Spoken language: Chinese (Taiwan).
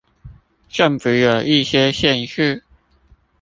政府有一些限制